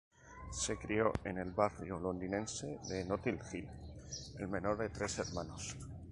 Se crio en el barrio londinense de Notting Hill, el menor de tres hermanos.